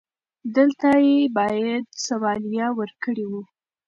دلته يې بايد سواليه ورکړې و.